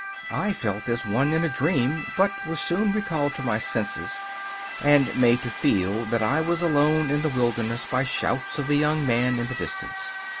I felt as one in a dream, but was soon recalled to my senses, and made to feel that I was alone in the wilderness by shouts of the young man in the distance.